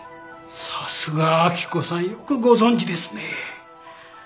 さすが明子さんよくご存じですね。